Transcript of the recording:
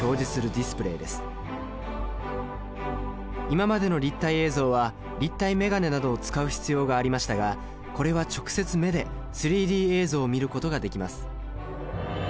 今までの立体映像は立体眼鏡などを使う必要がありましたがこれは直接目で３Ｄ映像を見ることができます。